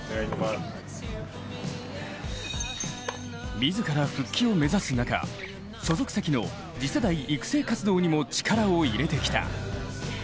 自ら復帰を目指す中所属先の次世代育成活動にも力を入れてきた。